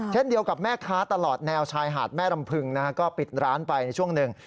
เช่นเดียวกับแม่ค้าตลอดแนวชายหาดแม่รำพึงนะฮะก็ปิดร้านไปในช่วงหนึ่ง